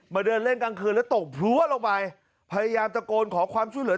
เดินเล่นกลางคืนแล้วตกพลั้วลงไปพยายามตะโกนขอความช่วยเหลือ